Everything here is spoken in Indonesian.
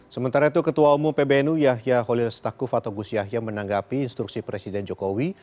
sementara itu ketua umum pbnu yahya khalil stakuf atau gus yahya menanggapi instruksi presiden jokowi